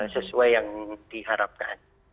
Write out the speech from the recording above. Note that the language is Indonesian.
sesuai yang diharapkan